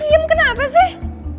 kiem kenapa sih